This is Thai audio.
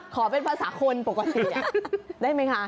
ขอเป็นภาษาคนปกติอ่ะได้มั้ยคะ